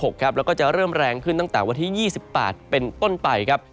แล้วก็จะเริ่มแรงขึ้นตั้งแต่วันที่๒๘เป็นต้นไปครับ